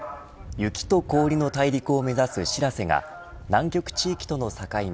雪と氷の大陸を目指すしらせが南極地域との境目